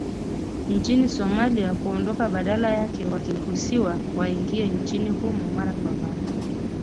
nchini Somalia kuondoka badala yake wakiruhusiwa waingie nchini humo mara kwa mara